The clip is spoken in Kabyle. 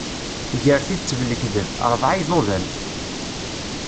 Ger tidet d lekdeb, rebɛa iḍudan.